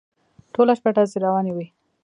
ټوله شپه ډزې روانې وې.